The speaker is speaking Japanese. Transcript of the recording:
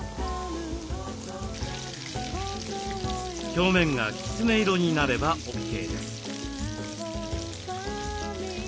表面がきつね色になればＯＫです。